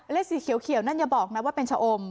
สีเขียวนั่นอย่าบอกนะว่าเป็นชะอม